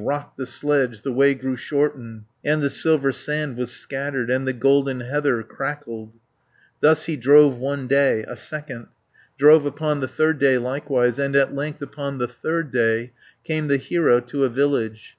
Rocked the sledge, the way grew shorten And the silver sand was scattered, And the golden heather crackled. 310 Thus he drove one day, a second; Drove upon the third day likewise, And at length upon the third day Came the hero to a village.